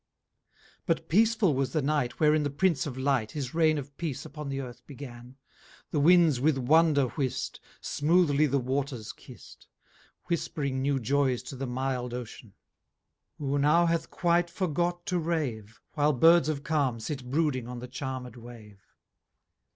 60 V But peacefull was the night Wherin the Prince of light His raign of peace upon the earth began: The Windes with wonder whist, Smoothly the waters kist, Whispering new joyes to the milde Ocean, Who now hath quite forgot to rave, While Birds of Calm sit brooding on the charmed wave.